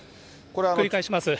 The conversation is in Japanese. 繰り返します。